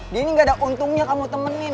dia ini gak ada untungnya kamu temenin